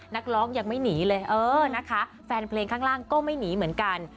นักร้องยังไม่หนีเลยเออนะคะแฟนเพลงข้างล่างก็ไม่หนีเหมือนกัน